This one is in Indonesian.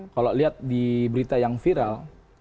kalau lihat di berita yang viral